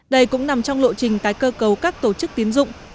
đây cũng nằm trong lộ trình tái cơ cấu các tổ chức tiến dụng